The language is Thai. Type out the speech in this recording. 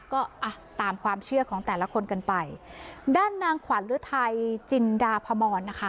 ก็อ่ะตามความเชื่อของแต่ละคนกันไปด้านนางขวัญฤทัยจินดาพมรนะคะ